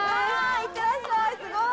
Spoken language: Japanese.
いってらっしゃいすごい。